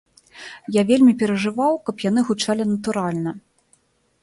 Я вельмі перажываў, каб яны гучалі натуральна.